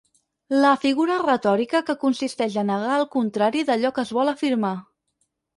La figura retòrica que consisteix a negar el contrari d'allò que es vol afirmar.